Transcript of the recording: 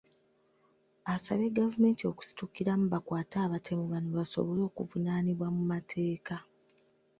Asabye gavumenti okusitukiramu bakwate abatemu bano basobole okuvunaanibwa mu mateeka.